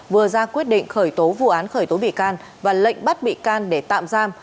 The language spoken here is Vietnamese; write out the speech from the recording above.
vừa ra quyết định khởi tố vụ án khởi tố bị can và lệnh bắt bị can để tạm giam